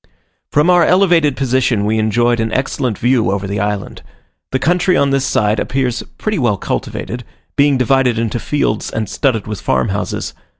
From our elevated position we enjoyed an excellent view over the island. The country on this side appears pretty well cultivated, being divided into fields and studded with farm houses.